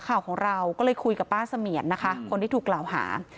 ข่าวของเราก็เลยคุยกับป้าเสมียนนะคะคนที่ถูกกล่าวหา